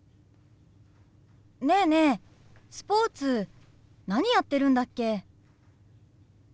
ねえねえスポーツ何やってるんだっけ？